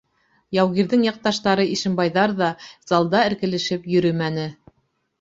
Яугирҙең яҡташтары ишембайҙар ҙа залда эркелешеп йөрөмәне.